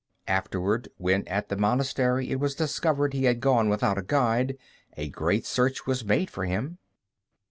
Afterward when at the monastery it was discovered he had gone without a guide, a great search was made for him.